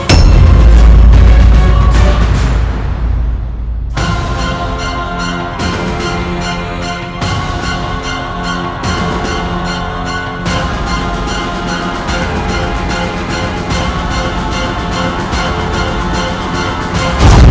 kami akan menjaga keamanan kita